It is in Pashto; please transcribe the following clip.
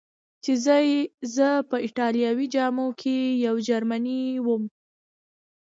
چې زه په ایټالوي جامو کې یو جرمنی ووم.